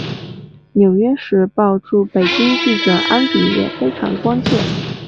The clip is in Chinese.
纽约时报驻北京记者安迪也非常关切。